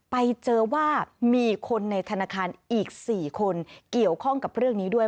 ไปเจอว่ามีคนในธนาคารอีก๔คนเกี่ยวข้องกับเรื่องนี้ด้วย